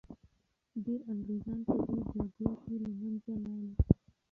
ډیر انګریزان په دې جګړو کي له منځه لاړل.